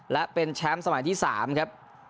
และเป็นแชมป์สมัยที่๓ครับ